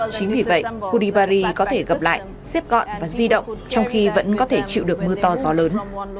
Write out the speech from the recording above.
chính vì vậy hudibarri có thể gặp lại xếp gọn và di động trong khi vẫn có thể chịu được mưa to gió lớn